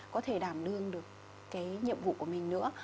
có thể đảm đương được cái nhiệm vụ của mình nữa